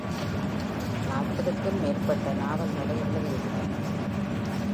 நாற்பதுக்கும் மேற்பட்ட நாவல்களை எழுதியுள்ளார்.